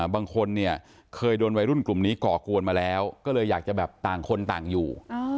บางคนเนี่ยเคยโดนวัยรุ่นกลุ่มนี้ก่อกวนมาแล้วก็เลยอยากจะแบบต่างคนต่างอยู่